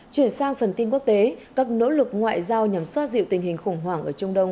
chuyển sang phần tin quốc tế các nỗ lực ngoại giao nhằm xoa dịu tình hình khủng hoảng ở trung đông